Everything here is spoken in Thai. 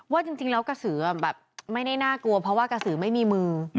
ว่าจริงแล้วกระสือแบบไม่ได้น่ากลัวเพราะว่ากระสือไม่มีมือ